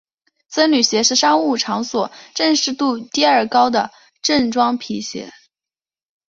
僧侣鞋是商务场所正式度第二高的正装皮鞋。